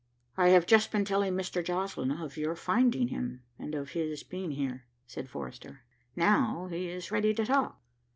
"I have just been telling Mr. Joslinn of your finding him, and of his being here," said Forrester. "Now he is ready to talk."